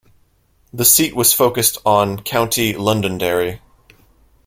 The seat was focused on County Londonderry.